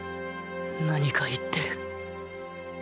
何か言ってる